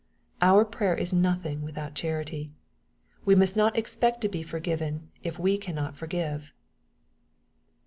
Our prayer is nothing without charity. We must not expect to be forgiven, if we cannot forgive.